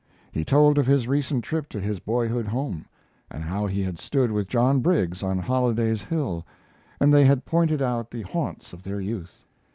He told of his recent trip to his boyhood home, and how he had stood with John Briggs on Holliday's Hill and they had pointed out the haunts of their youth.